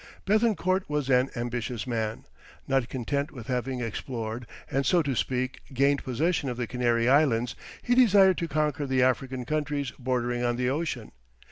Béthencourt was an ambitious man. Not content with having explored, and so to speak, gained possession of the Canary Islands, he desired to conquer the African countries bordering on the ocean.